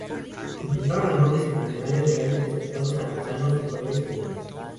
Encontraron a nobles y funcionarios reales, respetados artesanos, mujeres y niños.